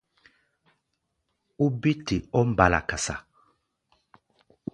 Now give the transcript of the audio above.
Ó bé te ɔ́ mbala-kasa.